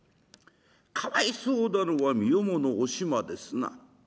かわいそうなのは身重のおしまですな。